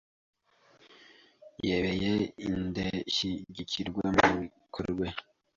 yebeye Indeshyikirwe mu bikorwe